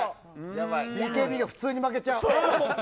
ＢＫＢ、普通に負けちゃう！